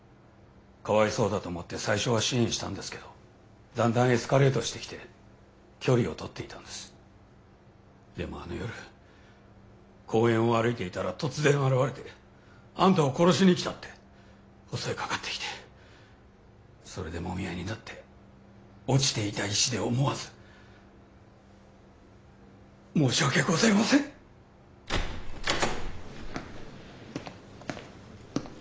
かわいそうだと思って最初は支援したんですけどだんだんエスカレートしてきて距離をとっていたんですでもあの夜公園を歩いていたら突然現れてあんたを殺しに来たって襲いかかってきてそれでもみ合いになって落ちていた石で思わず申し訳ございません皆実さんがいらっしゃいました